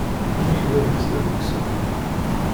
Amek baba-s d ameksa?